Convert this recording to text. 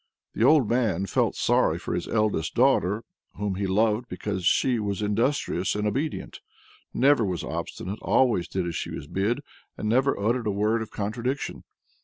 The old man felt sorry for his eldest daughter, whom he loved because she was industrious and obedient, never was obstinate, always did as she was bid, and never uttered a word of contradiction.